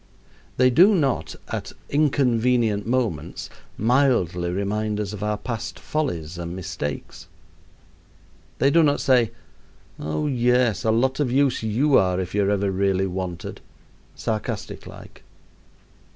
They do not at inconvenient moments mildly remind us of our past follies and mistakes. They do not say, "Oh, yes, a lot of use you are if you are ever really wanted" sarcastic like.